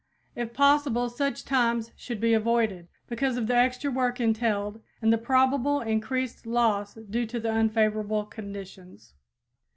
If possible such times should be avoided, because of the extra work entailed and the probable increased loss due to the unfavorable conditions.